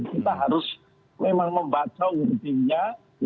kita harus memang membaca wordingnya